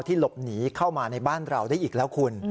หลบหนีเข้ามาในบ้านเราได้อีกแล้วคุณ